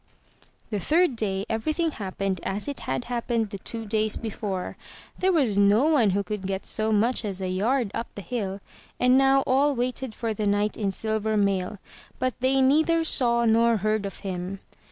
The third day everything happened as it had happened the two days before. There was no one who could get so much as a yard up the hill ; and now all waited for the knight in silver mail, but they neither saw nor heard of him.